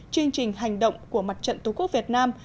chương trình hành động của mặt trận tổ quốc việt nam